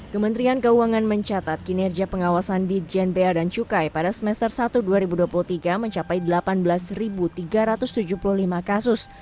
kementerian keuangan mencatat kinerja pengawasan di jnbr dan cukai pada semester satu dua ribu dua puluh tiga mencapai delapan belas tiga ratus tujuh puluh lima kasus